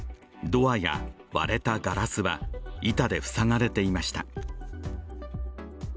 ドアや割れたガラスは板で塞がれていました。